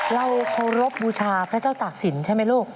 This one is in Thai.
เราเคารพบูชาพระเจ้าตากศิลป์ใช่ไหมลูก